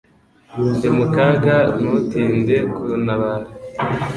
ndi mu kaga ntutinde kuntabara